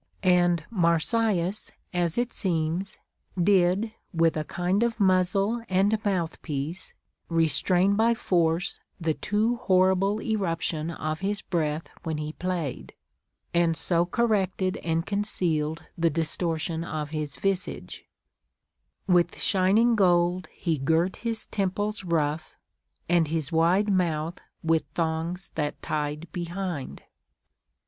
And Marsyas, as it seems, did Avith a kind of muzzle and mouth piece restrain by force the too horrible eruption of his breath when he played, and so corrected and concealed the distortion of his visage :— With shining gold he girt his temples rough, And his wide mouth with thongs that tied behind.